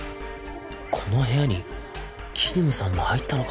この部屋に桐野さんも入ったのか